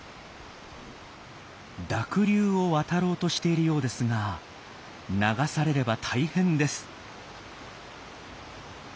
濁流を渡ろうとしているようですが流されれば大変です。